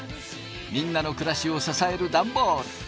みんなの暮らしを支えるダンボール。